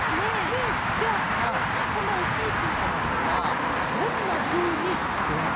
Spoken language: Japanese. ねえじゃあそんなうちゅうじんちゃまとはどんなふうにであってみたいケロ？